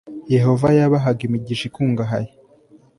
yehova yabahaga imigisha ikungahaye